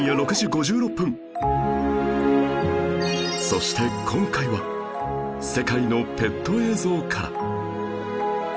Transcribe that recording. そして今回は世界のペット映像から